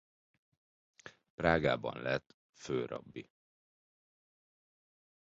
Prágában lett főrabbi.